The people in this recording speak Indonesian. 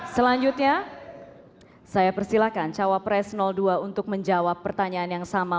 selanjutnya saya persilahkan cawapres dua untuk menjawab pertanyaan yang sama